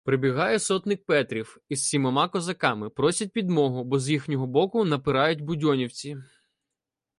Прибігає сотник Петрів із сімома козаками — просять підмогу, бо з їхнього боку напирають будьонівці.